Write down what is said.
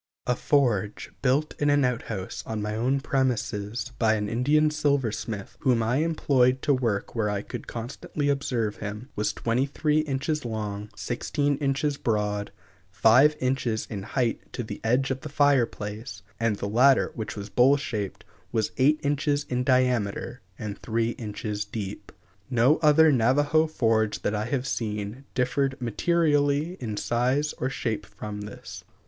A forge built in an outhouse on my own premises by an Indian silversmith, whom I employed to work where I could constantly observe him, was twenty three inches long, sixteen inches broad, five inches in height to the edge of the fire place, and the latter, which was bowl shaped, was eight inches in diameter and three inches deep. No other Navajo forge that I have seen differed materially in size or shape from this.